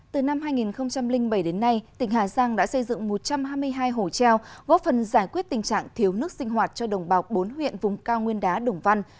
từ năm hai nghìn bảy đến nay tỉnh hà giang đã xây dựng một trăm hai mươi hai hồ treo góp phần giải quyết tình trạng thiếu nước sinh hoạt cho đồng bào bốn huyện vùng cao nguyên đá đồng văn